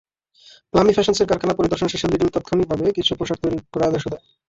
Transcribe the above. প্লামি ফ্যাশনসের কারখানা পরিদর্শন শেষে লিডল তাৎক্ষণিকভাবে কিছু পোশাক তৈরির ক্রয়াদেশও দেয়।